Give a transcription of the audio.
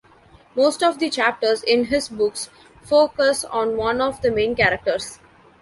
Most of the chapters in his books focus on one of the main characters.